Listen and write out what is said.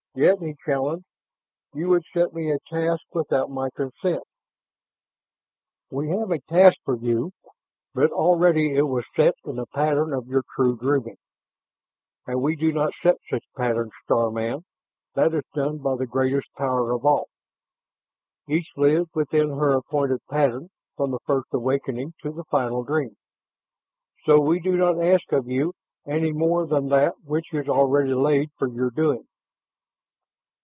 "Yet," he challenged, "you would set me a task without my consent." "We have a task for you, but already it was set in the pattern of your true dreaming. And we do not set such patterns, star man; that is done by the Greatest Power of all. Each lives within her appointed pattern from the First Awakening to the Final Dream. So we do not ask of you any more than that which is already laid for your doing."